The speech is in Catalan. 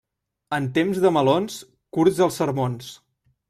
En temps de melons, curts els sermons.